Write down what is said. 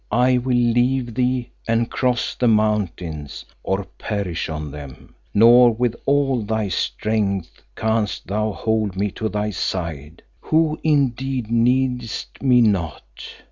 I will leave thee and cross the mountains, or perish on them, nor with all thy strength canst thou hold me to thy side, who indeed needest me not.